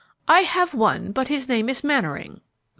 "I have one, but his name is Mannering."